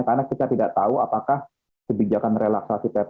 karena kita tidak tahu apakah kebijakan relaksasi pp